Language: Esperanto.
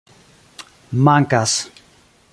Mankas.